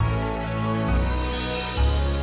aduh tante saya ke situ aja